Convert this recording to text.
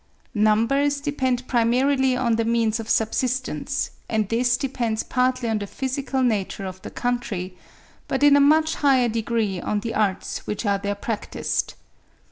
Numbers depend primarily on the means of subsistence, and this depends partly on the physical nature of the country, but in a much higher degree on the arts which are there practised.